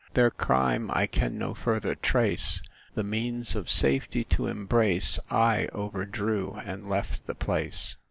Their crime I can no further trace The means of safety to embrace, I overdrew and left the place.